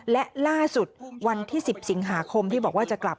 และล่าสุดวันที่๑๐สิงหาคมที่บอกว่าจะกลับ